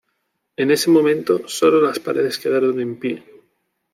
En ese momento, sólo las paredes quedaron en pie.